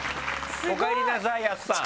おかえりなさいＹＡＳＵさん！